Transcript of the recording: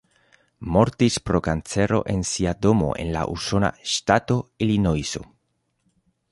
Mortis pro kancero en sia domo en la usona ŝtato Ilinojso.